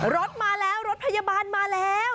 รถมาแล้วรถพยาบาลมาแล้ว